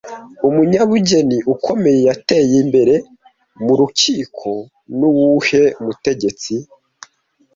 Umunyabugeni ukomeye yateye imbere murukiko nuwuhe mutegetsi